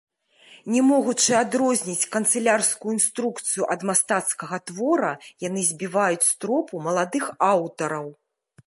Не могучы адрозніць канцылярскую інструкцыю ад мастацкага твора, яны збіваюць з тропу маладых аўтараў.